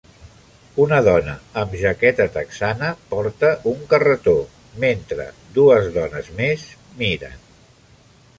Una dona amb jaqueta texana porta un carretó mentre dos dones més miren.